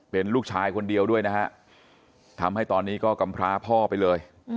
เป็นลูกชายคนเดียวด้วยนะฮะทำให้ตอนนี้ก็กำพร้าพ่อไปเลย